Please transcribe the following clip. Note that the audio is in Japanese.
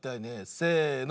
せの。